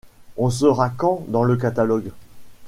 On sera quand dans le catalogue ?